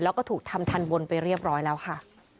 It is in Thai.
แล้วก็ถูกทำทันบนไปเรียบร้อยแล้วค่ะ